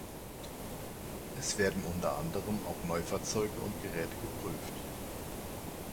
Es werden unter anderem auch Neufahrzeuge und Geräte geprüft.